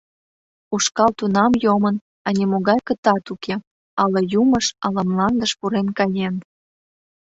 Ушкал тунам йомын, а нимогай кытат уке: ала юмыш, ала мландыш пурен каен.